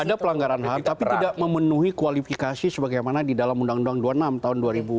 ada pelanggaran ham tapi tidak memenuhi kualifikasi sebagaimana di dalam undang undang dua puluh enam tahun dua ribu dua